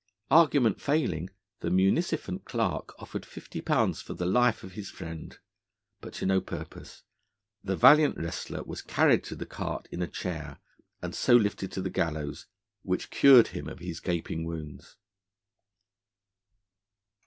Argument failing, the munificent Clerk offered fifty pounds for the life of his friend. But to no purpose: the valiant wrestler was carried to the cart in a chair, and so lifted to the gallows, which cured him of his gaping wounds.